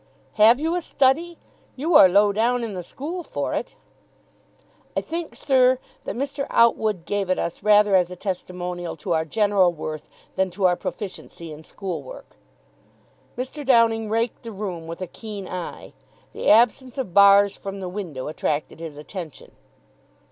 Have you a study? You are low down in the school for it." "I think, sir, that Mr. Outwood gave it us rather as a testimonial to our general worth than to our proficiency in school work." Mr. Downing raked the room with a keen eye. The absence of bars from the window attracted his attention.